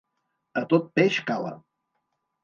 A tot peix cala.